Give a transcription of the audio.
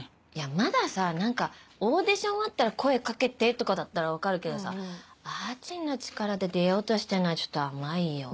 まださ何かオーディションあったら声かけてとかだったら分かるけどさあーちんの力で出ようとしてるのはちょっと甘いよ。